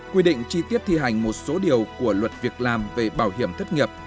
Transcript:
quy định chi tiết thi hành một số điều của luật việc làm về bảo hiểm thất nghiệp